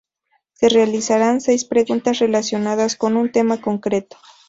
Se realizarán seis preguntas relacionadas con un tema concreto.